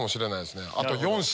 あと４品！